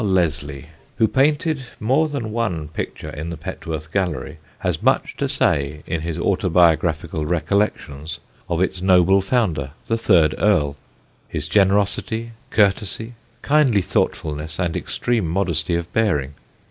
Leslie, who painted more than one picture in the Petworth gallery, has much to say in his Autobiographical Recollections of its noble founder the third Earl, his generosity, courtesy, kindly thoughtfulness, and extreme modesty of bearing.